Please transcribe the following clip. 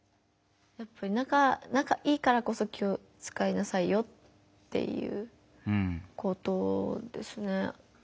仲いいからこそ気を使いなさいよっていうことですね。